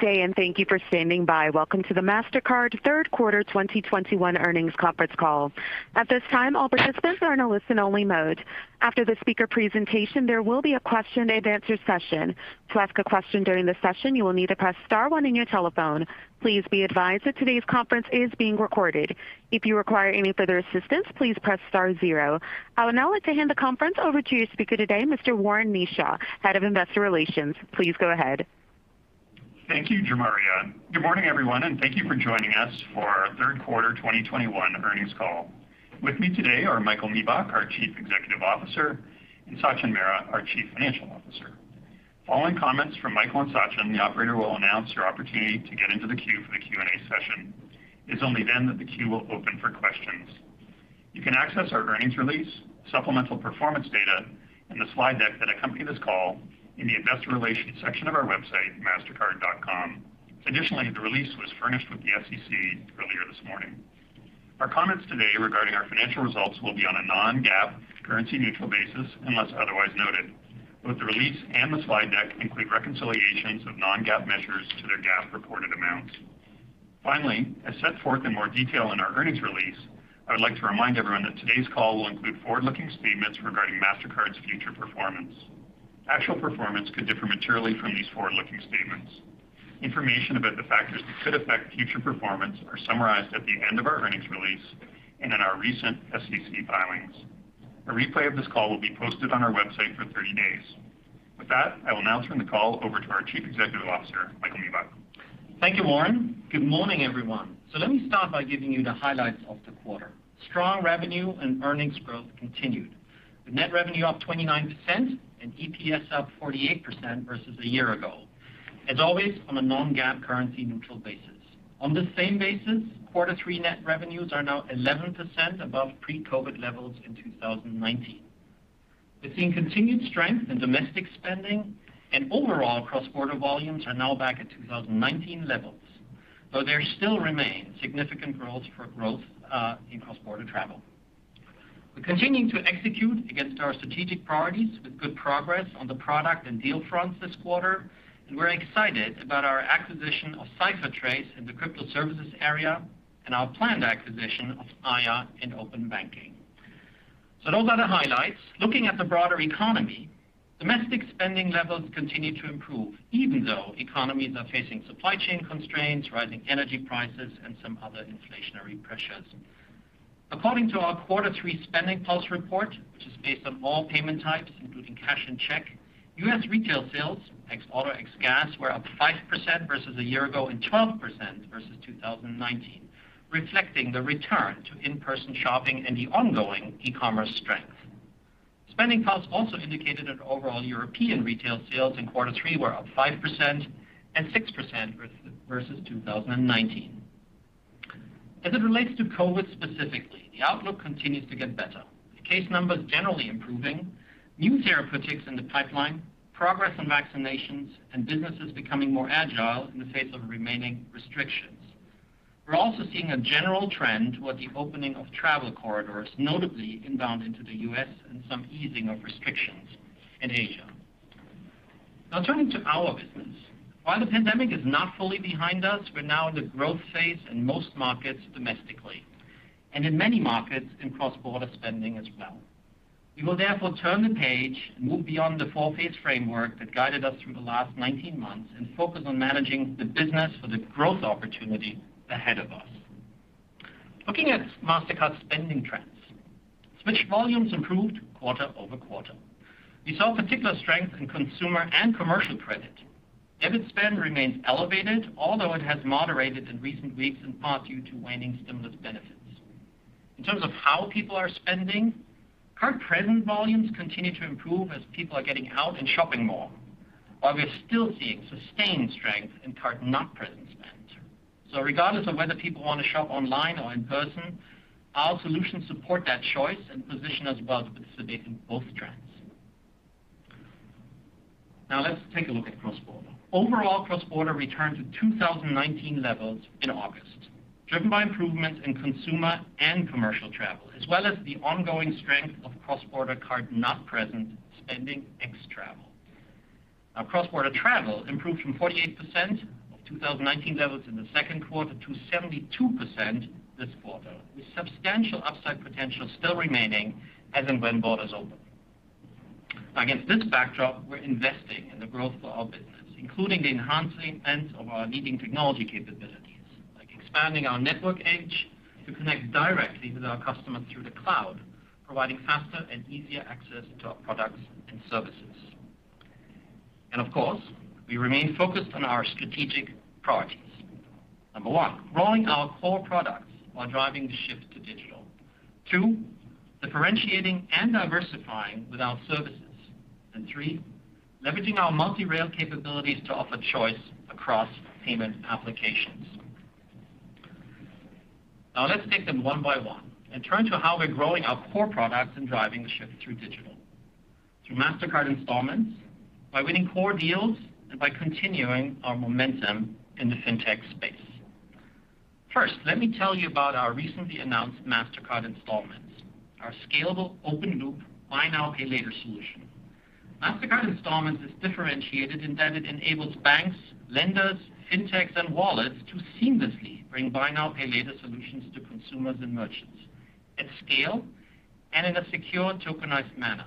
Good day, and thank you for standing by. Welcome to the Mastercard third quarter 2021 earnings conference call. At this time, all participants are in a listen only mode. After the speaker presentation, there will be a question-and-answer session. To ask a question during the session, you will need to press star one on your telephone. Please be advised that today's conference is being recorded. If you require any further assistance, please press star zero. I would now like to hand the conference over to your speaker today, Mr. Warren Kneeshaw, head of investor relations. Please go ahead. Thank you, Jamaria. Good morning, everyone, and thank you for joining us for our third quarter 2021 earnings call. With me today are Michael Miebach, our Chief Executive Officer, and Sachin Mehra, our Chief Financial Officer. Following comments from Michael and Sachin, the operator will announce your opportunity to get into the queue for the Q&A session. It's only then that the queue will open for questions. You can access our earnings release, supplemental performance data, and the slide deck that accompany this call in the investor relations section of our website, mastercard.com. Additionally, the release was furnished with the SEC earlier this morning. Our comments today regarding our financial results will be on a non-GAAP currency neutral basis, unless otherwise noted. Both the release and the slide deck include reconciliations of non-GAAP measures to their GAAP reported amounts. Finally, as set forth in more detail in our earnings release, I would like to remind everyone that today's call will include forward-looking statements regarding Mastercard's future performance. Actual performance could differ materially from these forward-looking statements. Information about the factors that could affect future performance are summarized at the end of our earnings release and in our recent SEC filings. A replay of this call will be posted on our website for thirty days. With that, I will now turn the call over to our Chief Executive Officer, Michael Miebach. Thank you, Warren. Good morning, everyone. Let me start by giving you the highlights of the quarter. Strong revenue and earnings growth continued. With net revenue up 29% and EPS up 48% versus a year ago, as always, on a non-GAAP currency neutral basis. On the same basis, quarter three net revenues are now 11% above pre-COVID levels in 2019. We're seeing continued strength in domestic spending and overall cross-border volumes are now back at 2019 levels. Though there still remain significant room for growth in cross-border travel. We're continuing to execute against our strategic priorities with good progress on the product and deal fronts this quarter, and we're excited about our acquisition of CipherTrace in the crypto services area and our planned acquisition of Aiia in open banking. Those are the highlights. Looking at the broader economy, domestic spending levels continue to improve, even though economies are facing supply chain constraints, rising energy prices, and some other inflationary pressures. According to our quarter three SpendingPulse report, which is based on all payment types, including cash and check, U.S. retail sales, ex auto, ex gas, were up 5% versus a year ago and 12% versus 2019, reflecting the return to in-person shopping and the ongoing e-commerce strength. SpendingPulse also indicated that overall European retail sales in quarter three were up 5% and 6% versus 2019. As it relates to COVID specifically, the outlook continues to get better. The case numbers generally improving, new therapeutics in the pipeline, progress on vaccinations, and businesses becoming more agile in the face of remaining restrictions. We're also seeing a general trend towards the opening of travel corridors, notably inbound into the U.S. and some easing of restrictions in Asia. Now turning to our business. While the pandemic is not fully behind us, we're now in the growth phase in most markets domestically, and in many markets in cross-border spending as well. We will therefore turn the page and move beyond the four-phase framework that guided us through the last nineteen months and focus on managing the business for the growth opportunity ahead of us. Looking at Mastercard spending trends, switch volumes improved quarter-over-quarter. We saw particular strength in consumer and commercial credit. Debit spend remains elevated, although it has moderated in recent weeks, in part due to waning stimulus benefits. In terms of how people are spending, card present volumes continue to improve as people are getting out and shopping more, while we're still seeing sustained strength in card not present spend. Regardless of whether people wanna shop online or in person, our solutions support that choice and position us well to participate in both trends. Now let's take a look at cross-border. Overall cross-border returned to 2019 levels in August, driven by improvements in consumer and commercial travel, as well as the ongoing strength of cross-border card not present spending ex travel. Now cross-border travel improved from 48% of 2019 levels in the second quarter to 72% this quarter, with substantial upside potential still remaining as and when borders open. Against this backdrop, we're investing in the growth for our business, including the enhancement of our leading technology capabilities, like expanding our network edge to connect directly with our customers through the cloud, providing faster and easier access to our products and services. Of course, we remain focused on our strategic priorities. Number one, growing our core products while driving the shift to digital. Two, differentiating and diversifying with our services. Three, leveraging our multi-rail capabilities to offer choice across payment applications. Now let's take them one by one and turn to how we're growing our core products and driving the shift through digital. Through Mastercard Installments, by winning core deals, and by continuing our momentum in the fintech space. First, let me tell you about our recently announced Mastercard Installments. Our scalable open loop buy now, pay later solution. Mastercard Installments is differentiated in that it enables banks, lenders, fintechs, and wallets to seamlessly bring buy now, pay later solutions to consumers and merchants at scale and in a secure tokenized manner.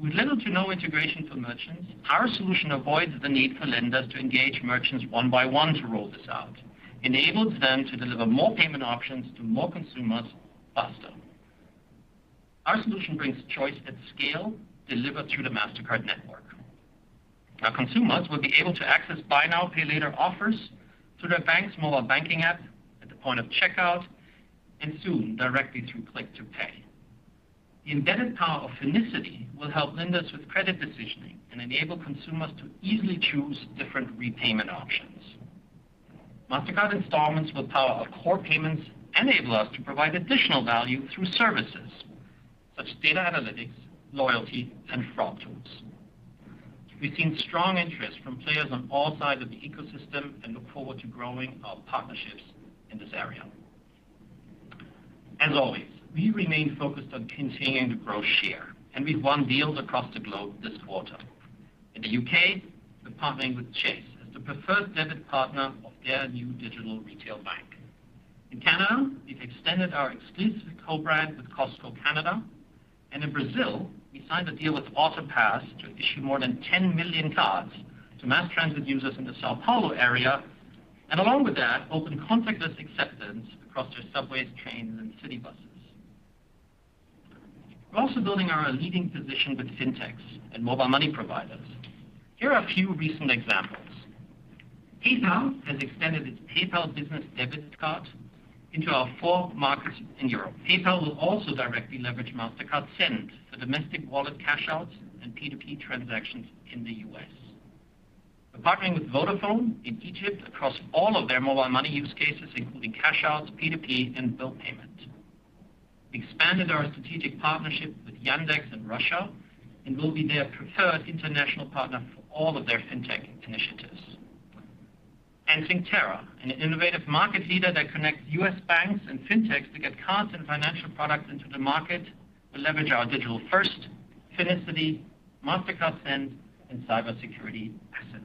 With little to no integration for merchants, our solution avoids the need for lenders to engage merchants one by one to roll this out, enables them to deliver more payment options to more consumers faster. Our solution brings choice at scale delivered through the Mastercard network. Our consumers will be able to access buy now, pay later offers through their bank's mobile banking app at the point of checkout and soon directly through Click to Pay. The embedded power of Finicity will help lenders with credit decisioning and enable consumers to easily choose different repayment options. Mastercard Installments will power our core payments, enable us to provide additional value through services such as data analytics, loyalty, and fraud tools. We've seen strong interest from players on all sides of the ecosystem and look forward to growing our partnerships in this area. As always, we remain focused on continuing to grow share, and we've won deals across the globe this quarter. In the U.K., we're partnering with Chase as the preferred debit partner of their new digital retail bank. In Canada, we've extended our exclusive co-brand with Costco Canada. In Brazil, we signed a deal with Autopass to issue more than 10 million cards to mass transit users in the São Paulo area. Along with that, open contactless acceptance across their subways, trains, and city buses. We're also building our leading position with fintechs and mobile money providers. Here are a few recent examples. PayPal has extended its PayPal business debit card into our four markets in Europe. PayPal will also directly leverage Mastercard Send for domestic wallet cash outs and P2P transactions in the U.S. We're partnering with Vodafone in Egypt across all of their mobile money use cases, including cash outs, P2P, and bill payment. Expanded our strategic partnership with Yandex in Russia, and will be their preferred international partner for all of their fintech initiatives. Synctera, an innovative market leader that connects U.S. banks and fintechs to get cards and financial products into the market will leverage our digital-first Finicity, Mastercard Send, and cybersecurity assets.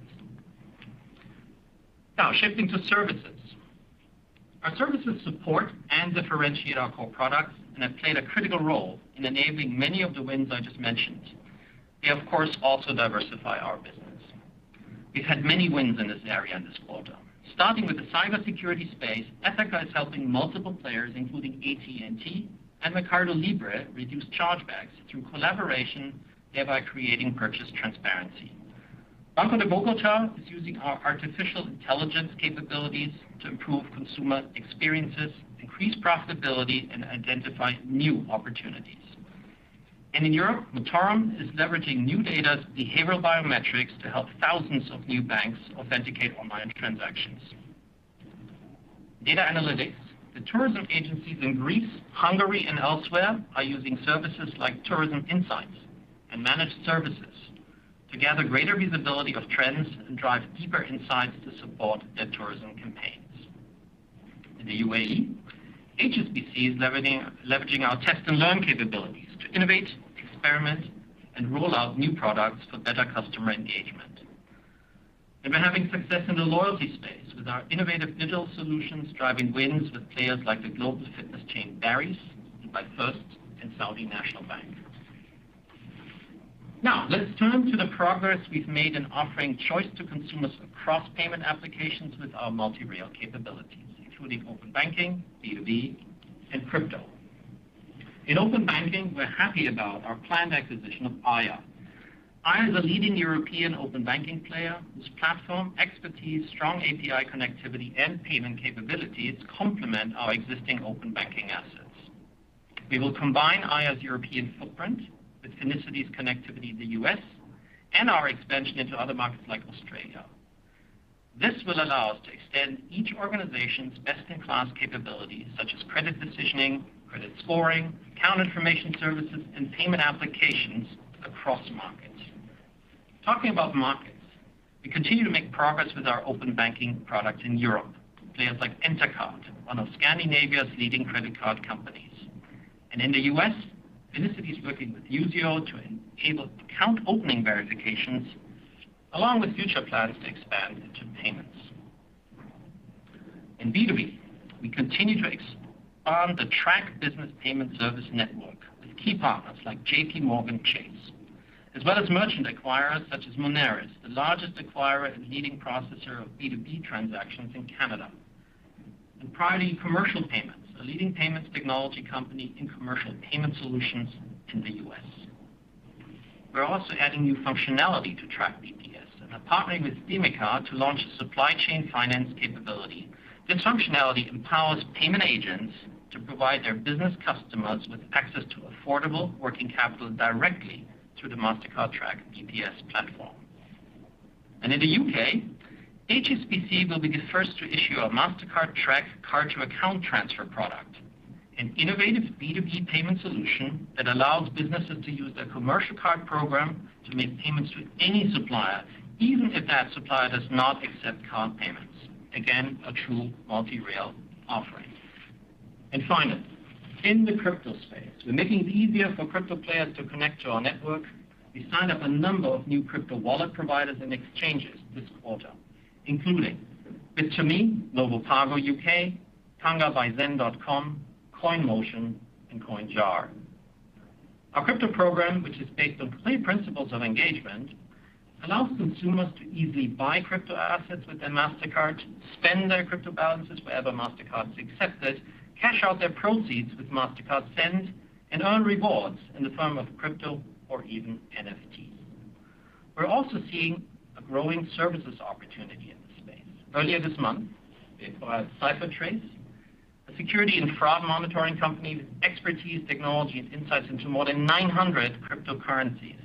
Now shifting to services. Our services support and differentiate our core products and have played a critical role in enabling many of the wins I just mentioned. They, of course, also diversify our business. We've had many wins in this area in this quarter. Starting with the cybersecurity space, Ethoca is helping multiple players, including AT&T and Mercado Libre, reduce chargebacks through collaboration, thereby creating purchase transparency. Banco de Bogotá is using our artificial intelligence capabilities to improve consumer experiences, increase profitability, and identify new opportunities. In Europe, NuData is leveraging behavioral biometrics to help thousands of new banks authenticate online transactions. Data analytics. The tourism agencies in Greece, Hungary, and elsewhere are using services like Tourism Insights and Managed Services to gather greater visibility of trends and drive deeper insights to support their tourism campaigns. In the UAE, HSBC is leveraging our Test & Learn capabilities to innovate, experiment, and roll out new products for better customer engagement. We're having success in the loyalty space with our innovative digital solutions driving wins with players like the global fitness chain Barry's, and BofA and Saudi National Bank. Now, let's turn to the progress we've made in offering choice to consumers across payment applications with our multi-rail capabilities, including open banking, B2B, and crypto. In open banking, we're happy about our planned acquisition of Aiia. Aiia is a leading European open banking player, whose platform, expertise, strong API connectivity, and payment capabilities complement our existing open banking assets. We will combine Aiia's European footprint with Finicity's connectivity in the U.S. and our expansion into other markets like Australia. This will allow us to extend each organization's best-in-class capabilities such as credit decisioning, credit scoring, account information services, and payment applications across markets. Talking about markets, we continue to make progress with our open banking product in Europe. Players like EnterCard, one of Scandinavia's leading credit card companies. In the US, Finicity is working with Usio to enable account opening verifications along with future plans to expand into payments. In B2B, we continue to expand the Track Business Payment Service network with key partners like JPMorgan Chase, as well as merchant acquirers such as Moneris, the largest acquirer and leading processor of B2B transactions in Canada, and Priority Commercial Payments, a leading payments technology company in commercial payment solutions in the US. We're also adding new functionality to Track BPS and are partnering with Demica to launch a supply chain finance capability. This functionality empowers payment agents to provide their business customers with access to affordable working capital directly through the Mastercard Track BPS platform. In the UK, HSBC will be the first to issue a Mastercard Track card-to-account transfer product. An innovative B2B payment solution that allows businesses to use their commercial card program to make payments to any supplier, even if that supplier does not accept card payments. Again, a true multi-rail offering. Finally, in the crypto space, we're making it easier for crypto players to connect to our network. We signed up a number of new crypto wallet providers and exchanges this quarter, including Bit2Me, Novopago UK, Tango by ZEN.COM, Coinmotion, and CoinJar. Our crypto program, which is based on three principles of engagement, allows consumers to easily buy crypto assets with their Mastercard, spend their crypto balances wherever Mastercard's accepted, cash out their proceeds with Mastercard Send, and earn rewards in the form of crypto or even NFTs. We're also seeing a growing services opportunity in this space. Earlier this month, we acquired CipherTrace, a security and fraud monitoring company with expertise, technology, and insights into more than 900 cryptocurrencies.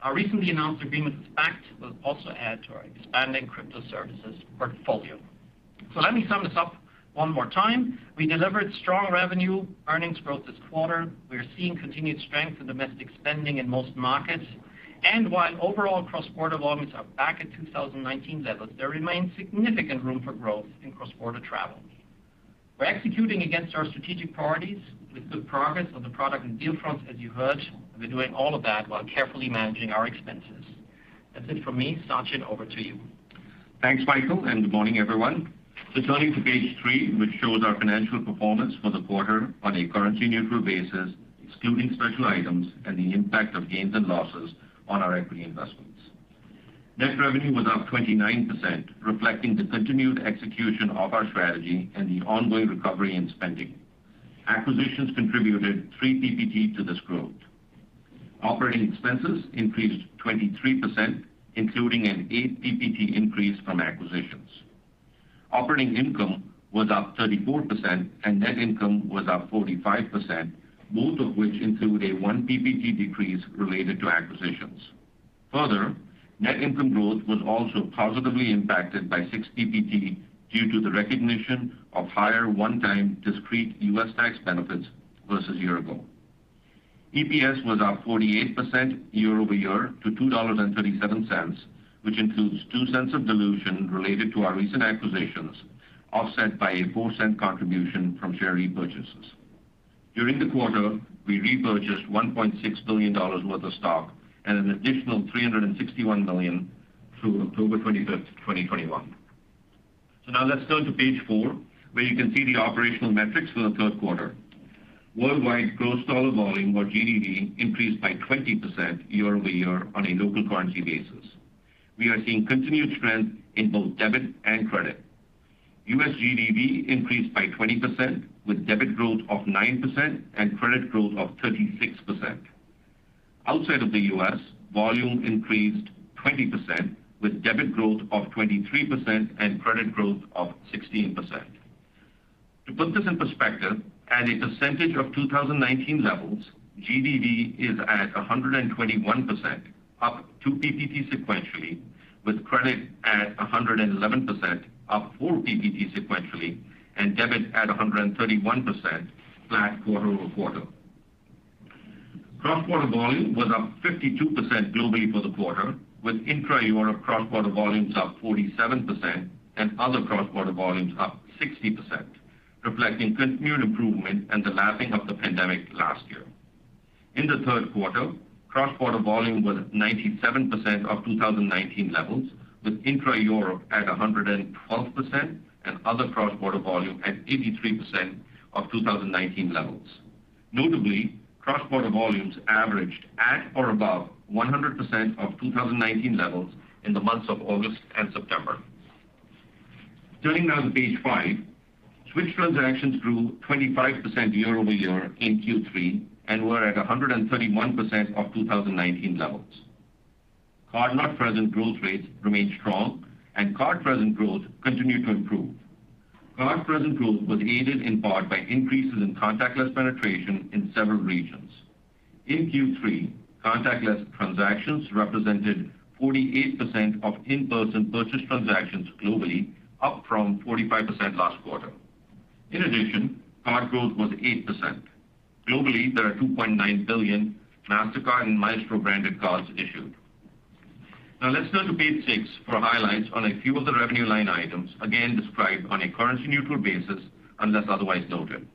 Our recently announced agreement with Bakkt will also add to our expanding crypto services portfolio. Let me sum this up one more time. We delivered strong revenue earnings growth this quarter. We are seeing continued strength in domestic spending in most markets. While overall cross-border volumes are back at 2019 levels, there remains significant room for growth in cross-border travel. We're executing against our strategic priorities with good progress on the product and deal fronts, as you heard, and we're doing all of that while carefully managing our expenses. That's it for me. Sachin, over to you. Thanks, Michael, and good morning, everyone. Turning to page three, which shows our financial performance for the quarter on a currency-neutral basis, excluding special items and the impact of gains and losses on our equity investments. Net revenue was up 29%, reflecting the continued execution of our strategy and the ongoing recovery in spending. Acquisitions contributed 3 PPT to this growth. Operating expenses increased 23%, including an 8 PPT increase from acquisitions. Operating income was up 34%, and net income was up 45%, both of which include a 1 PPT decrease related to acquisitions. Further, net income growth was also positively impacted by 6 PPT due to the recognition of higher one-time discrete U.S. tax benefits versus year-ago. EPS was up 48% year-over-year to $2.37, which includes 2 cents of dilution related to our recent acquisitions, offset by a 4-cent contribution from share repurchases. During the quarter, we repurchased $1.6 billion worth of stock and an additional $361 million through October 25, 2021. Now let's turn to page 4, where you can see the operational metrics for the third quarter. Worldwide gross dollar volume or GDV increased by 20% year-over-year on a local currency basis. We are seeing continued strength in both debit and credit. U.S. GDV increased by 20%, with debit growth of 9% and credit growth of 36%. Outside of the U.S., volume increased 20%, with debit growth of 23% and credit growth of 16%. To put this in perspective, at a percentage of 2019 levels, GDV is at 121%, up 2 PPT sequentially, with credit at 111%, up 4 PPT sequentially, and debit at 131%, flat quarter-over-quarter. Cross-border volume was up 52% globally for the quarter, with intra-Europe cross-border volumes up 47% and other cross-border volumes up 60%, reflecting continued improvement and the lapping of the pandemic last year. In the third quarter, cross-border volume was at 97% of 2019 levels, with intra-Europe at 112% and other cross-border volume at 83% of 2019 levels. Notably, cross-border volumes averaged at or above 100% of 2019 levels in the months of August and September. Turning now to page five. Switch transactions grew 25% year-over-year in Q3 and were at 131% of 2019 levels. Card not present growth rates remained strong, and card-present growth continued to improve. Card-present growth was aided in part by increases in contactless penetration in several regions. In Q3, contactless transactions represented 48% of in-person purchase transactions globally, up from 45% last quarter. In addition, card growth was 8%. Globally, there are 2.9 billion Mastercard and Maestro-branded cards issued. Now let's turn to page 6 for highlights on a few of the revenue line items, again described on a currency-neutral basis unless otherwise noted.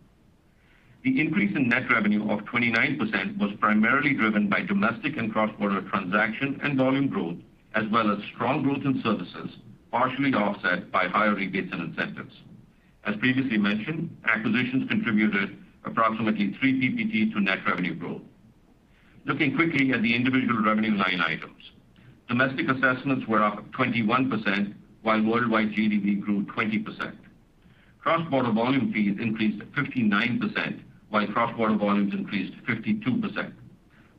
The increase in net revenue of 29% was primarily driven by domestic and cross-border transaction and volume growth, as well as strong growth in services, partially offset by higher rebates and incentives. As previously mentioned, acquisitions contributed approximately 3 PPT to net revenue growth. Looking quickly at the individual revenue line items. Domestic assessments were up 21%, while worldwide GDV grew 20%. Cross-border volume fees increased 59%, while cross-border volumes increased 52%.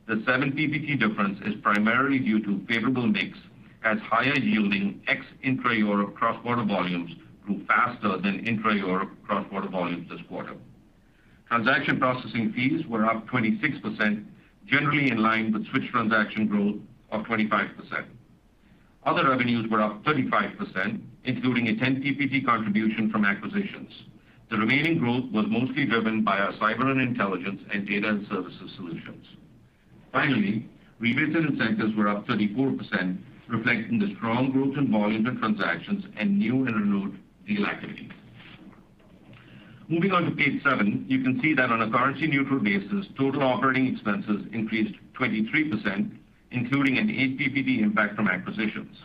The 7 PPT difference is primarily due to favorable mix, as higher-yielding ex intra-Europe cross-border volumes grew faster than intra-Europe cross-border volumes this quarter. Transaction processing fees were up 26%, generally in line with switch transaction growth of 25%. Other revenues were up 35%, including a 10 PPT contribution from acquisitions. The remaining growth was mostly driven by our cyber and intelligence and data and services solutions. Finally, rebates and incentives were up 34%, reflecting the strong growth in volume and transactions and new and renewed deal activity. Moving on to page seven, you can see that on a currency neutral basis, total operating expenses increased 23%, including an 8 PPT impact from acquisitions.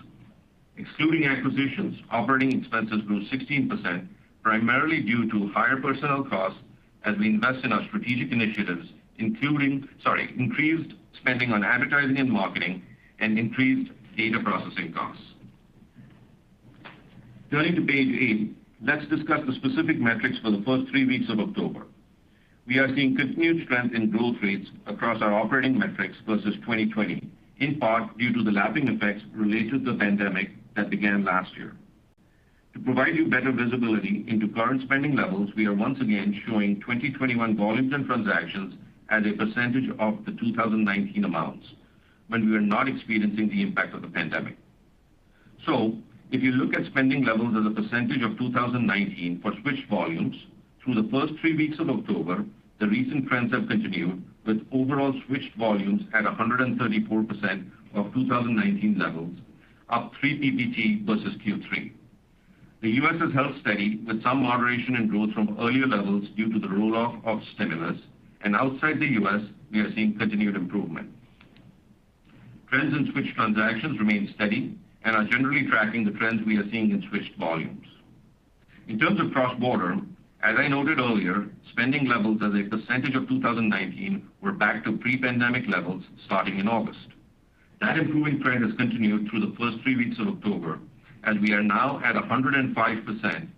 Excluding acquisitions, operating expenses grew 16%, primarily due to higher personnel costs as we invest in our strategic initiatives, including, sorry, increased spending on advertising and marketing and increased data processing costs. Turning to page eight, let's discuss the specific metrics for the first three weeks of October. We are seeing continued strength in growth rates across our operating metrics versus 2020, in part due to the lapping effects related to the pandemic that began last year. To provide you better visibility into current spending levels, we are once again showing 2021 volumes and transactions as a percentage of the 2019 amounts when we are not experiencing the impact of the pandemic. If you look at spending levels as a percentage of 2019 for switched volumes through the first 3 weeks of October, the recent trends have continued with overall switched volumes at 134% of 2019 levels, up 3 PPT versus Q3. The U.S. has held steady with some moderation in growth from earlier levels due to the roll-off of stimulus. Outside the U.S., we are seeing continued improvement. Trends in switched transactions remain steady and are generally tracking the trends we are seeing in switched volumes. In terms of cross-border, as I noted earlier, spending levels as a percentage of 2019 were back to pre-pandemic levels starting in August. That improving trend has continued through the first 3 weeks of October, and we are now at 105%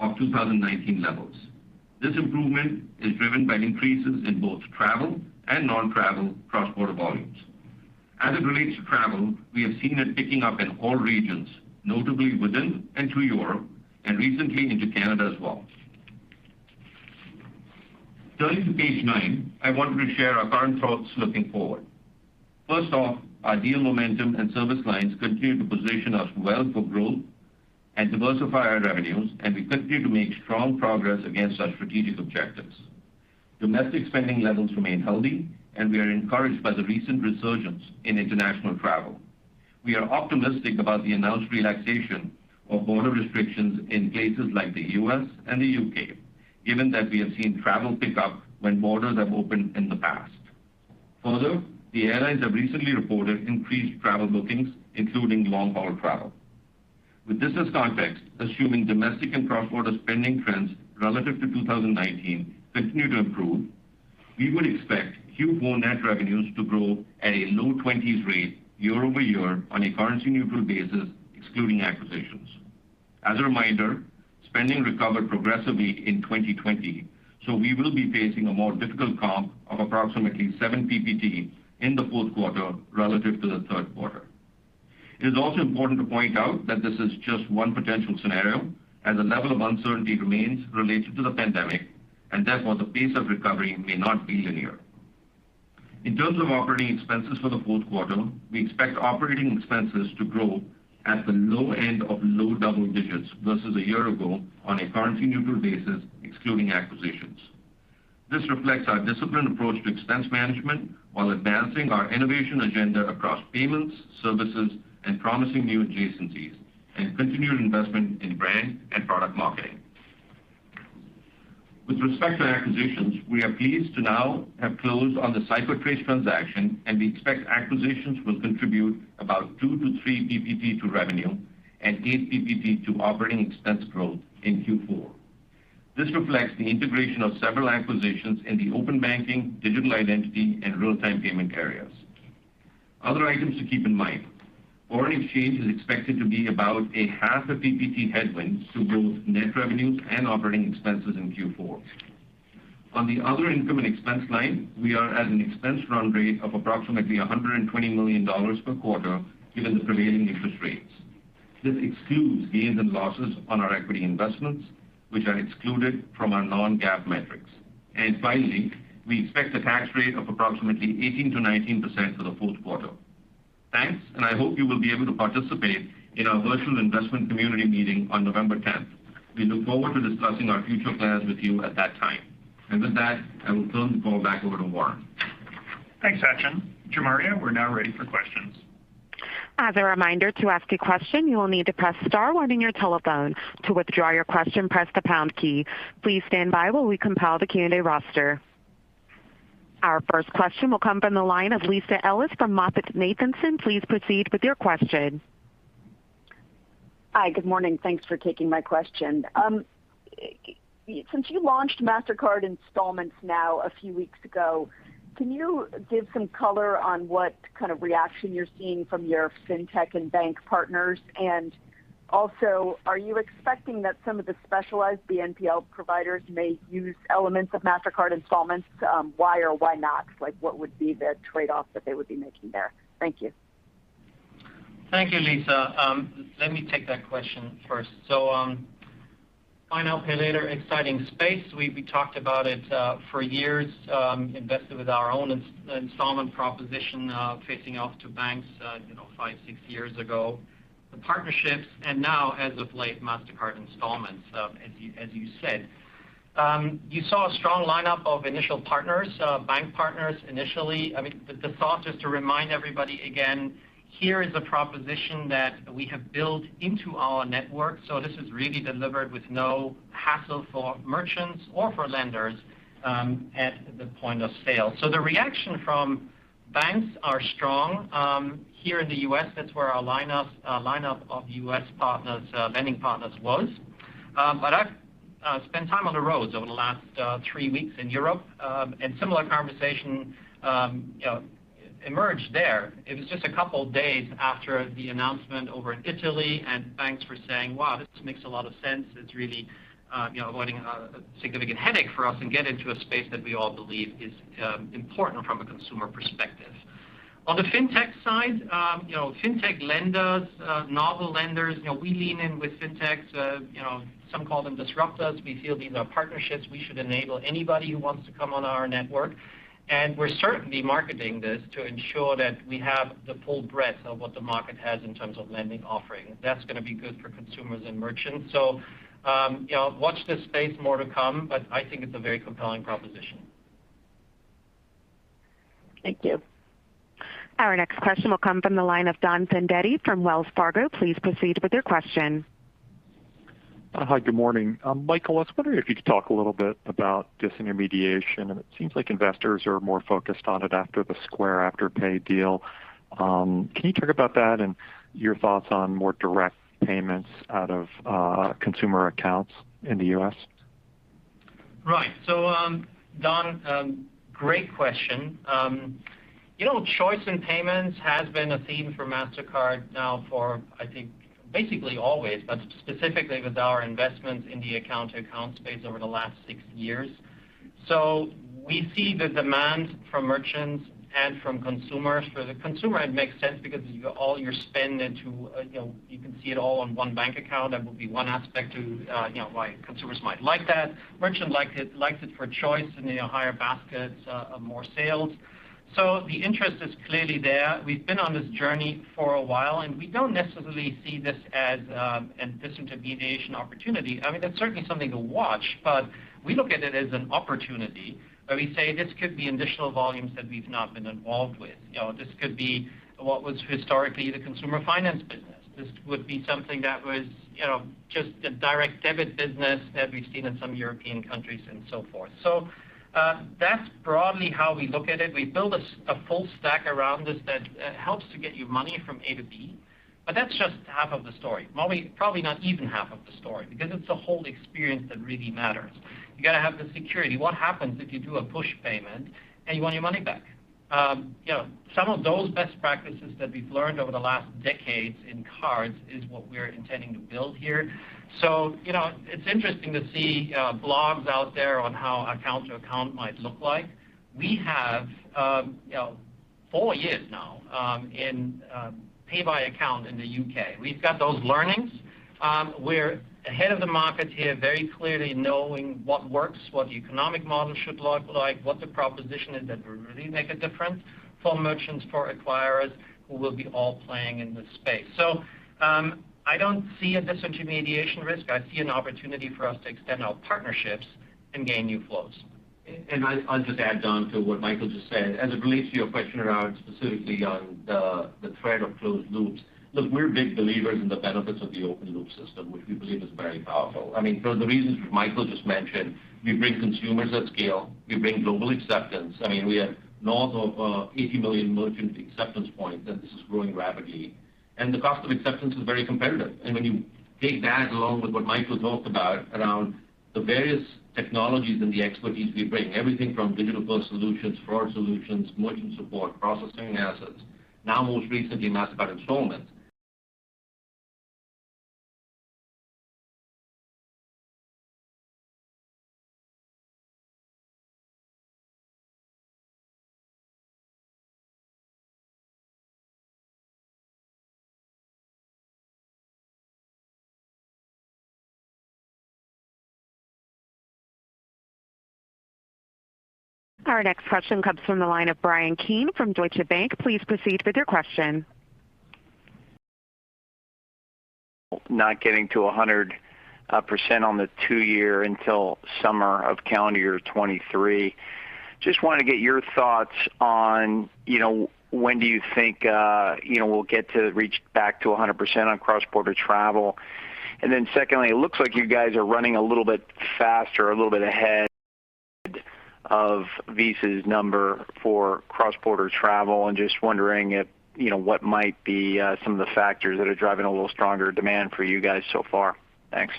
of 2019 levels. This improvement is driven by increases in both travel and non-travel cross-border volumes. As it relates to travel, we have seen it picking up in all regions, notably within and to Europe and recently into Canada as well. Turning to page nine, I wanted to share our current thoughts looking forward. First off, our deal momentum and service lines continue to position us well for growth and diversify our revenues, and we continue to make strong progress against our strategic objectives. Domestic spending levels remain healthy, and we are encouraged by the recent resurgence in international travel. We are optimistic about the announced relaxation of border restrictions in places like the U.S. and the U.K., given that we have seen travel pick up when borders have opened in the past. Further, the airlines have recently reported increased travel bookings, including long-haul travel. With this as context, assuming domestic and cross-border spending trends relative to 2019 continue to improve, we would expect Q4 net revenues to grow at a low 20s% rate year-over-year on a currency-neutral basis, excluding acquisitions. As a reminder, spending recovered progressively in 2020, so we will be facing a more difficult comp of approximately 7 PPT in the fourth quarter relative to the third quarter. It is also important to point out that this is just one potential scenario as the level of uncertainty remains related to the pandemic, and therefore the pace of recovery may not be linear. In terms of operating expenses for the fourth quarter, we expect operating expenses to grow at the low end of low double-digit percentage versus a year ago on a currency-neutral basis, excluding acquisitions. This reflects our disciplined approach to expense management while advancing our innovation agenda across payments, services, and promising new adjacencies and continued investment in brand and product marketing. With respect to acquisitions, we are pleased to now have closed on the CipherTrace transaction, and we expect acquisitions will contribute about 2-3 PPT to revenue and 8 PPT to operating expense growth in Q4. This reflects the integration of several acquisitions in the open banking, digital identity, and real-time payment areas. Other items to keep in mind. Foreign exchange is expected to be about 0.5 PPT headwind to both net revenues and operating expenses in Q4. On the other income and expense line, we are at an expense run rate of approximately $120 million per quarter given the prevailing interest rates. This excludes gains and losses on our equity investments, which are excluded from our non-GAAP metrics. Finally, we expect a tax rate of approximately 18%-19% for the fourth quarter. Thanks, I hope you will be able to participate in our virtual Investment Community Meeting on November tenth. We look forward to discussing our future plans with you at that time. With that, I will turn the call back over to Warren. Thanks, Sachin. Jumaria, we're now ready for questions. As a reminder to ask a question, you will need to press star one on your telephone. To withdraw your question, press the pound key. Please stand by while we compile the Q&A roster. Our first question will come from the line of Lisa Ellis from MoffettNathanson. Please proceed with your question. Hi, good morning. Thanks for taking my question. Since you launched Mastercard Installments now a few weeks ago, can you give some color on what kind of reaction you're seeing from your fintech and bank partners? Are you expecting that some of the specialized BNPL providers may use elements of Mastercard Installments? Why or why not? Like what would be the trade-off that they would be making there? Thank you. Thank you, Lisa. Let me take that question first. Buy now, pay later, exciting space. We talked about it for years, invested with our own installment proposition, facing off to banks, you know, five, six years ago. The partnerships and now as of late, Mastercard Installments, as you said. You saw a strong lineup of initial partners, bank partners initially. I mean, the thought just to remind everybody again, here is a proposition that we have built into our network. This is really delivered with no hassle for merchants or for lenders, at the point of sale. The reaction from banks are strong. Here in the U.S., that's where our lineup of U.S. partners, lending partners was. I've spent time on the roads over the last 3 weeks in Europe, and similar conversation, you know, emerged there. It was just a couple days after the announcement over in Italy and banks were saying, "Wow, this makes a lot of sense. It's really, you know, avoiding a significant headache for us and get into a space that we all believe is important from a consumer perspective." On the fintech side, you know, fintech lenders, novel lenders, you know, we lean in with fintechs. You know, some call them disruptors. We feel these are partnerships. We should enable anybody who wants to come on our network. We're certainly marketing this to ensure that we have the full breadth of what the market has in terms of lending offering. That's gonna be good for consumers and merchants. You know, watch this space, more to come, but I think it's a very compelling proposition. Thank you. Our next question will come from the line of Donald Fandetti from Wells Fargo. Please proceed with your question. Hi, good morning. Michael, I was wondering if you could talk a little bit about disintermediation. It seems like investors are more focused on it after the Square, Afterpay deal. Can you talk about that and your thoughts on more direct payments out of consumer accounts in the U.S.? Right. Don, great question. You know, choice in payments has been a theme for Mastercard now for, I think basically always, but specifically with our investments in the account-to-account space over the last six years. We see the demand from merchants and from consumers. For the consumer, it makes sense because all your spend into, you know, you can see it all on one bank account. That would be one aspect to, you know, why consumers might like that. Merchants liked it, likes it for choice and, you know, higher baskets, of more sales. The interest is clearly there. We've been on this journey for a while, and we don't necessarily see this as, a disintermediation opportunity. I mean, that's certainly something to watch, but we look at it as an opportunity where we say this could be additional volumes that we've not been involved with. You know, this could be what was historically the consumer finance business. This would be something that was, you know, just a direct debit business that we've seen in some European countries and so forth. That's broadly how we look at it. We build a full stack around this that helps to get you money from A to B. That's just half of the story. Probably not even half of the story because it's the whole experience that really matters. You gotta have the security. What happens if you do a push payment and you want your money back? You know, some of those best practices that we've learned over the last decades in cards is what we're intending to build here. You know, it's interesting to see blogs out there on how account to account might look like. We have, you know, 4 years now in pay by account in the U.K. We've got those learnings. We're ahead of the market here, very clearly knowing what works, what the economic model should look like, what the proposition is that will really make a difference for merchants, for acquirers who will be all playing in this space. I don't see a disintermediation risk. I see an opportunity for us to extend our partnerships and gain new flows. I'll just add, Don, to what Michael just said, as it relates to your question around specifically the threat of closed loops. Look, we're big believers in the benefits of the open loop system, which we believe is very powerful. I mean, for the reasons Michael just mentioned, we bring consumers at scale, we bring global acceptance. I mean, we have north of 80 million merchant acceptance points, and this is growing rapidly. The cost of acceptance is very competitive. When you take that along with what Michael talked about around the various technologies and the expertise we bring, everything from digital-first solutions, fraud solutions, merchant support, processing assets, now most recently, Mastercard Installments. Our next question comes from the line of Bryan Keane from Deutsche Bank. Please proceed with your question. Not getting to 100% on the two-year until summer of calendar year 2023. Just wanna get your thoughts on, you know, when do you think, you know, we'll get to reach back to 100% on cross-border travel? And then secondly, it looks like you guys are running a little bit faster, a little bit ahead of Visa's number for cross-border travel, and just wondering if, you know, what might be, some of the factors that are driving a little stronger demand for you guys so far. Thanks.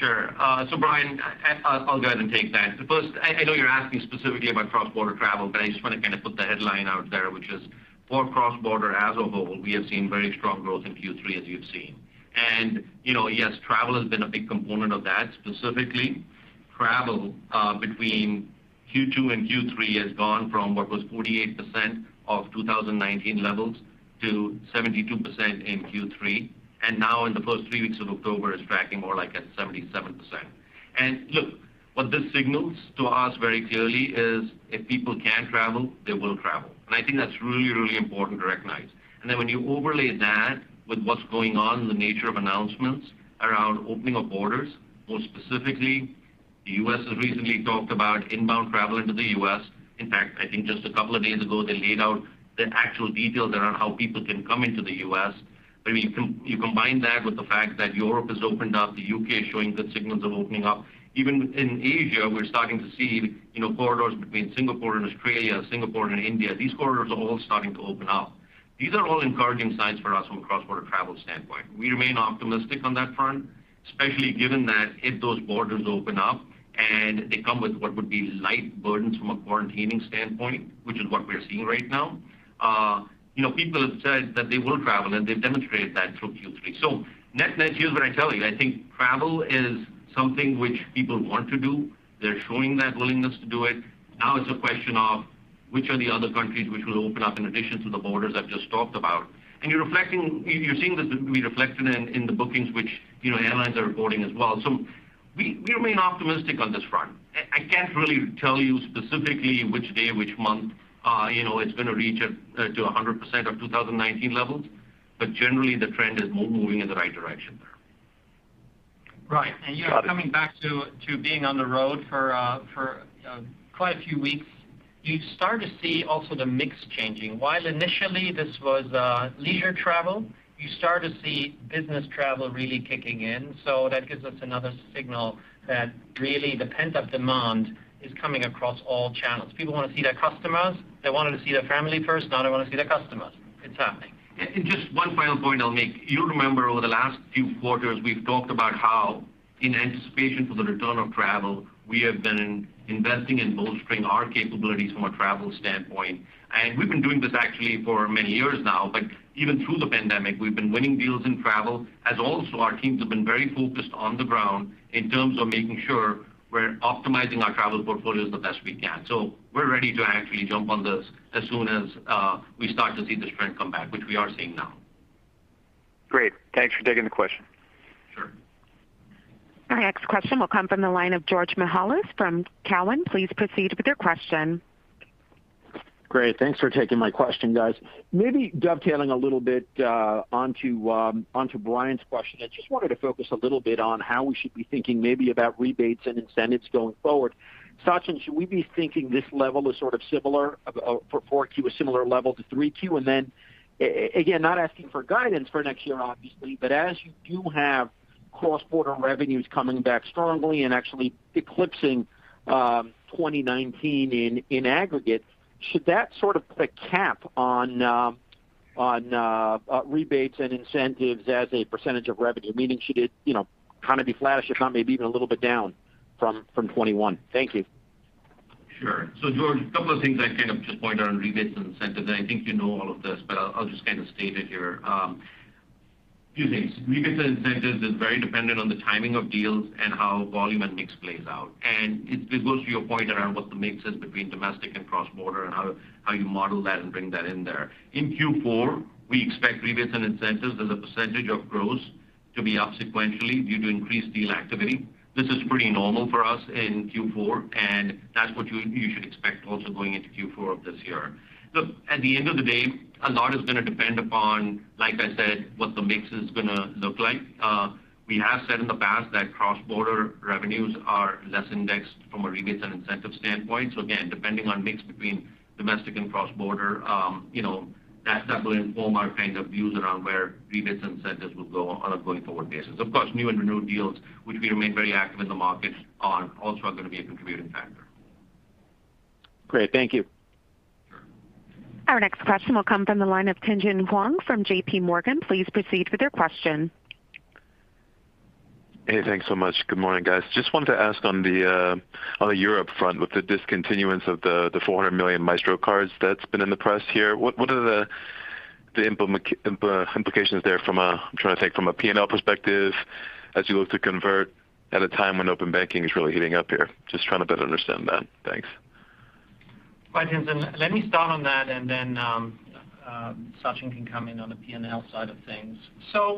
Sure. Bryan, I'll go ahead and take that. First, I know you're asking specifically about cross-border travel, but I just wanna kinda put the headline out there, which is for cross-border as a whole, we have seen very strong growth in Q3, as you've seen. You know, yes, travel has been a big component of that. Specifically, travel between Q2 and Q3 has gone from what was 48% of 2019 levels to 72% in Q3. Now in the first 3 weeks of October is tracking more like at 77%. Look, what this signals to us very clearly is if people can travel, they will travel. I think that's really, really important to recognize. When you overlay that with what's going on in the nature of announcements around opening of borders, more specifically, the U.S. has recently talked about inbound travel into the U.S. In fact, I think just a couple of days ago, they laid out the actual details around how people can come into the U.S. I mean, you combine that with the fact that Europe has opened up, the U.K. is showing good signals of opening up. Even in Asia, we're starting to see, you know, corridors between Singapore and Australia, Singapore and India. These corridors are all starting to open up. These are all encouraging signs for us from a cross-border travel standpoint. We remain optimistic on that front, especially given that if those borders open up and they come with what would be light burdens from a quarantining standpoint, which is what we're seeing right now, you know, people have said that they will travel, and they've demonstrated that through Q3. So net, here's what I tell you. I think travel is something which people want to do. They're showing that willingness to do it. Now it's a question of which are the other countries which will open up in addition to the borders I've just talked about. You're seeing this be reflected in the bookings which, you know, airlines are reporting as well. We remain optimistic on this front. I can't really tell you specifically which day, which month, you know, it's gonna reach to a hundred percent of 2019 levels, but generally, the trend is moving in the right direction there. Right. You know, coming back to being on the road for quite a few weeks, you start to see also the mix changing. While initially this was leisure travel, you start to see business travel really kicking in. That gives us another signal that really the pent-up demand is coming across all channels. People wanna see their customers. They wanted to see their family first, now they wanna see their customers. It's happening. Just one final point I'll make. You remember over the last few quarters, we've talked about how in anticipation for the return of travel, we have been investing in bolstering our capabilities from a travel standpoint. We've been doing this actually for many years now. Like, even through the pandemic, we've been winning deals in travel, and also our teams have been very focused on the ground in terms of making sure we're optimizing our travel portfolios the best we can. We're ready to actually jump on this as soon as we start to see this trend come back, which we are seeing now. Great. Thanks for taking the question. Sure. Our next question will come from the line of George Mihalos from Cowen. Please proceed with your question. Great. Thanks for taking my question, guys. Maybe dovetailing a little bit onto Bryan question. I just wanted to focus a little bit on how we should be thinking maybe about rebates and incentives going forward. Sachin, should we be thinking this level is sort of similar for Q4, a similar level to Q3? Again, not asking for guidance for next year, obviously, but as you do have cross-border revenues coming back strongly and actually eclipsing 2019 in aggregate, should that sort of put a cap on rebates and incentives as a percentage of revenue? Meaning should it, you know, kind of be flat if not maybe even a little bit down from 2021? Thank you. Sure. George, a couple of things I kind of just point out on rebates and incentives. I think you know all of this, but I'll just kind of state it here. Two things. Rebates and incentives is very dependent on the timing of deals and how volume and mix plays out. It goes to your point around what the mix is between domestic and cross-border and how you model that and bring that in there. In Q4, we expect rebates and incentives as a percentage of gross to be up sequentially due to increased deal activity. This is pretty normal for us in Q4, and that's what you should expect also going into Q4 of this year. Look, at the end of the day, a lot is gonna depend upon, like I said, what the mix is gonna look like. We have said in the past that cross-border revenues are less indexed from a rebates and incentive standpoint. Again, depending on mix between domestic and cross-border, you know, that will inform our kind of views around where rebates, incentives will go on a going forward basis. Of course, new and renewed deals, which we remain very active in the market on, also are gonna be a contributing factor. Great. Thank you. Sure. Our next question will come from the line of Tien-Tsin Huang from J.P. Morgan. Please proceed with your question. Hey, thanks so much. Good morning, guys. Just wanted to ask on the Europe front with the discontinuance of the 400 million Maestro cards that's been in the press here. What are the implications there from a P&L perspective as you look to convert at a time when open banking is really heating up here. Just trying to better understand that. Thanks. Right, Tien. Let me start on that and then Sachin can come in on the P&L side of things.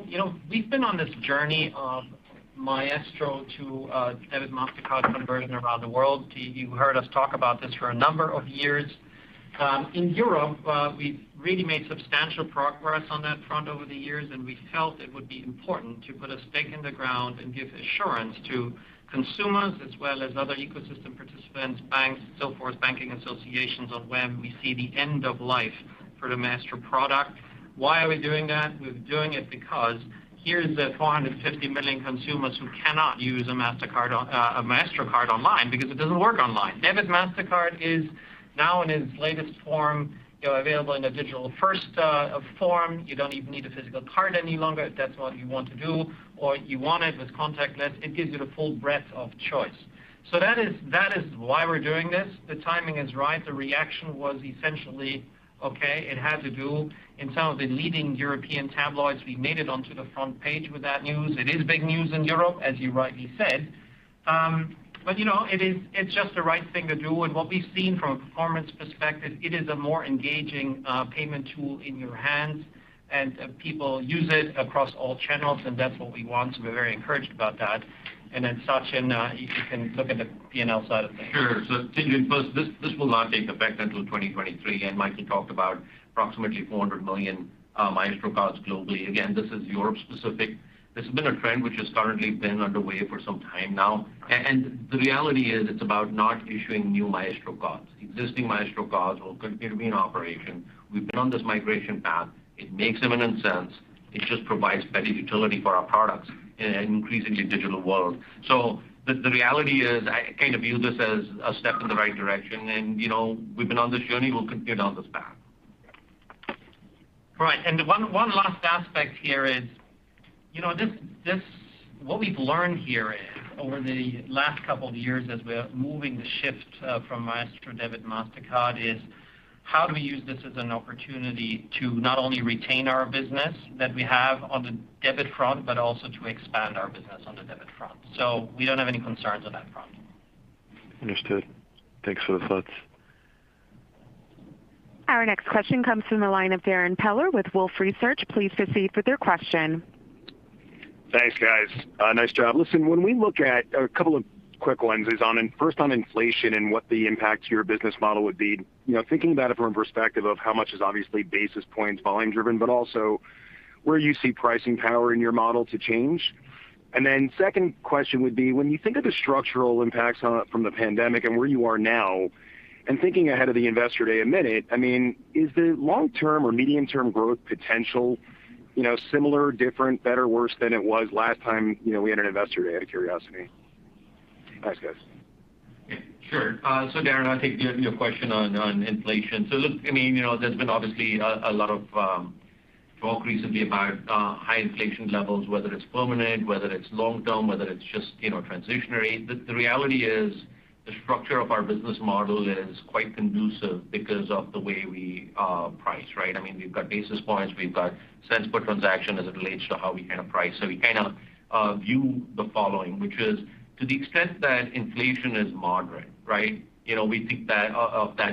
You know, we've been on this journey of Maestro to Debit Mastercard conversion around the world. You heard us talk about this for a number of years. In Europe, we've really made substantial progress on that front over the years, and we felt it would be important to put a stake in the ground and give assurance to consumers as well as other ecosystem participants, banks, so forth, banking associations, on when we see the end of life for the Maestro product. Why are we doing that? We're doing it because here is the 450 million consumers who cannot use a Mastercard on a Maestro card online because it doesn't work online. Debit Mastercard is now in its latest form, you know, available in a digital-first form. You don't even need a physical card any longer if that's what you want to do, or you want it with contactless. It gives you the full breadth of choice. That is why we're doing this. The timing is right. The reaction was essentially, okay. It had to do. In some of the leading European tabloids, we made it onto the front page with that news. It is big news in Europe, as you rightly said. You know, it's just the right thing to do. What we've seen from a performance perspective, it is a more engaging payment tool in your hands, and people use it across all channels, and that's what we want. We're very encouraged about that. Sachin, if you can look at the P&L side of things. Sure. Tien-Tsin Huang, first, this will not take effect until 2023, and Michael talked about approximately 400 million Maestro cards globally. Again, this is Europe-specific. This has been a trend which has currently been underway for some time now. And the reality is, it's about not issuing new Maestro cards. Existing Maestro cards will continue to be in operation. We've been on this migration path. It makes eminent sense. It just provides better utility for our products in an increasingly digital world. The reality is, I kind of view this as a step in the right direction and, you know, we've been on this journey, we'll continue down this path. Right. One last aspect here is, you know, this what we've learned here over the last couple of years as we're moving the shift from Maestro debit Mastercard is how do we use this as an opportunity to not only retain our business that we have on the debit front, but also to expand our business on the debit front. So we don't have any concerns on that front. Understood. Thanks for the thoughts. Our next question comes from the line of Darrin Peller with Wolfe Research. Please proceed with your question. Thanks, guys. Nice job. Listen, when we look at a couple of quick lenses on first on inflation and what the impact to your business model would be, you know, thinking about it from a perspective of how much is obviously basis points, volume driven, but also where you see pricing power in your model to change. Then second question would be, when you think of the structural impacts on it from the pandemic and where you are now, and thinking ahead of the Investor Day a minute, I mean, is the long-term or medium-term growth potential, you know, similar, different, better, worse than it was last time, you know, we had an Investor Day, out of curiosity? Thanks, guys. Sure. Darrin, I'll take your question on inflation. Look, I mean, you know, there's been obviously a lot of talk recently about high inflation levels, whether it's permanent, whether it's long-term, whether it's just, you know, transitory. The reality is the structure of our business model is quite conducive because of the way we price, right? I mean, we've got basis points, we've got cents per transaction as it relates to how we kind of price. We kind of view the following, which is to the extent that inflation is moderate, right? You know, we think that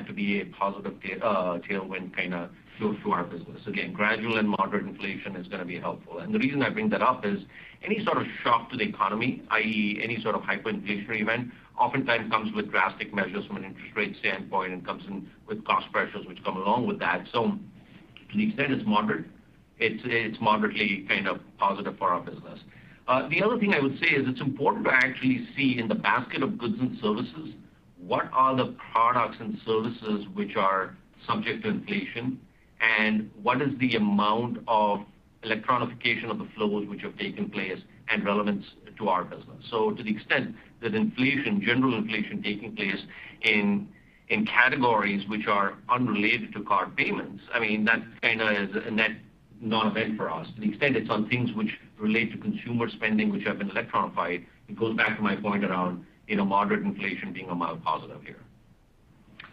to be a positive tailwind kind of flow through our business. Again, gradual and moderate inflation is gonna be helpful. The reason I bring that up is any sort of shock to the economy, i.e., any sort of hyperinflationary event, oftentimes comes with drastic measures from an interest rate standpoint and comes in with cost pressures which come along with that. To the extent it's moderate, it's moderately kind of positive for our business. The other thing I would say is it's important to actually see in the basket of goods and services, what are the products and services which are subject to inflation and what is the amount of electronification of the flows which have taken place and relevance to our business. To the extent that inflation, general inflation taking place in categories which are unrelated to card payments, I mean, that kinda is a net non-event for us. To the extent it's on things which relate to consumer spending which have been electronified, it goes back to my point around, you know, moderate inflation being a mild positive here.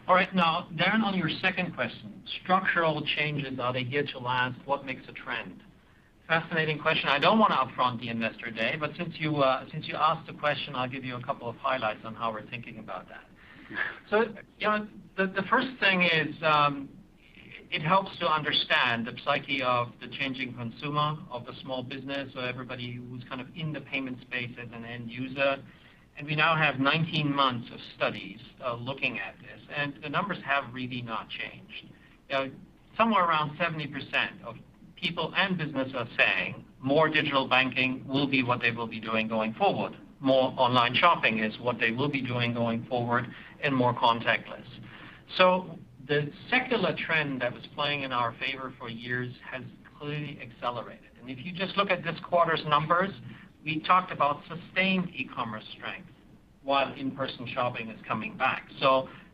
All right. Now, Darrin, on your second question, structural changes, are they here to last? What makes a trend? Fascinating question. I don't wanna out front the Investor Day, but since you asked the question, I'll give you a couple of highlights on how we're thinking about that. You know, the first thing is, it helps to understand the psyche of the changing consumer, of the small business, so everybody who's kind of in the payment space as an end user. We now have 19 months of studies looking at this, and the numbers have really not changed. Somewhere around 70% of people and business are saying more digital banking will be what they will be doing going forward. More online shopping is what they will be doing going forward and more contactless. The secular trend that was playing in our favor for years has clearly accelerated. If you just look at this quarter's numbers, we talked about sustained e-commerce strength while in-person shopping is coming back.